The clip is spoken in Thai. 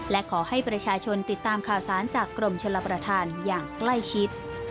และขอให้ประชาชนติดตามข่าวสารจากกรมชลประธานอย่างใกล้ชิด